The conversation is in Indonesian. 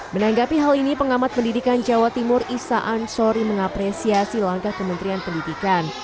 menanggapi hal ini pengamat pendidikan jawa timur isa ansori mengapresiasi langkah kementerian pendidikan